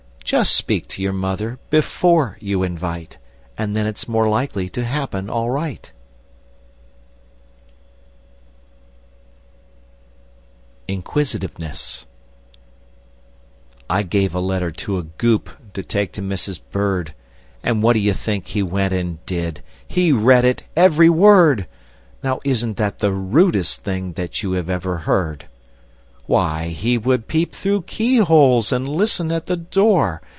Just speak to your mother before you invite, And then it's more likely to happen all right! [Illustration: Inquisitiveness] INQUISITIVENESS I gave a letter to a Goop To take to Mrs. Bird; And what d'you think he went and did? He read it, every word! Now, isn't that the rudest thing That you have ever heard? Why, he would peep through keyholes, And listen at the door!